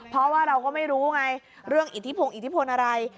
เพราะว่าเราก็ไม่รู้ไงเรื่องอิทธิพงศ์อิทธิพลอะไร